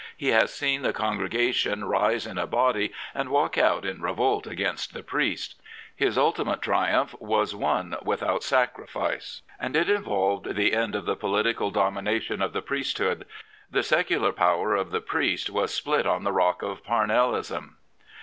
He has seen the congregation rise in a body and walk out in revolt against'^THe priest. His ultimate triumph was won without sacri fice, and it involved the end of the political domina tion of the priesthood. The secular power of the priest was split on the rock of Pamellism.